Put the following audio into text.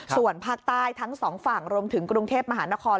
ส่วนภาคใต้ทั้งสองฝั่งรวมถึงกรุงเทพมหานคร